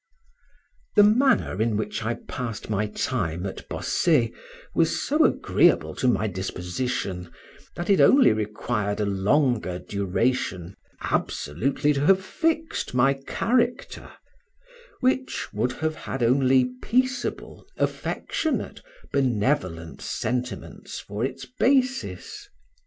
The manner in which I passed my time at Bossey was so agreeable to my disposition, that it only required a longer duration absolutely to have fixed my character, which would have had only peaceable, affectionate, benevolent sentiments for its basis.